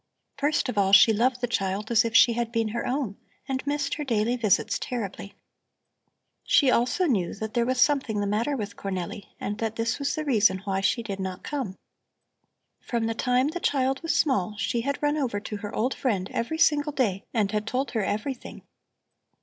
First of all, she loved the child as if she had been her own and missed her daily visits terribly. She also knew that there was something the matter with Cornelli and that this was the reason why she did not come. From the time the child was small, she had run over to her old friend every single day and had told her everything.